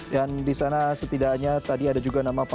dan di sana setidaknya tadi ada juga nama panglima